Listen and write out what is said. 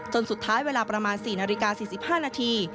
สุดท้ายเวลาประมาณ๔นาฬิกา๔๕นาที